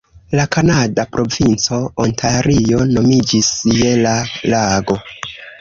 La kanada provinco, Ontario, nomiĝis je la lago.